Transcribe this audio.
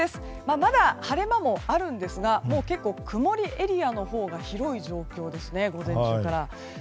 まだ晴れ間もあるんですが結構、曇りエリアのほうが午前中から広い状況です。